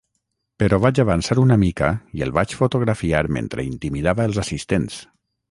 Però vaig avançar una mica i el vaig fotografiar mentre intimidava els assistents.